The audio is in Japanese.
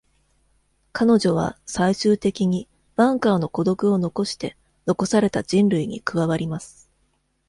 彼女は、最終的に、バンカーの孤独を残して、残された人類に加わります。